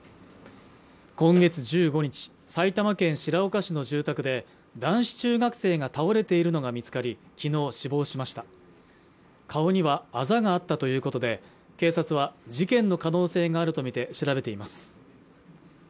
今月１５日埼玉県白岡市の住宅で男子中学生が倒れているのが見つかりきのう死亡しました顔にはあざがあったということで警察は事件の可能性があるとみて調べています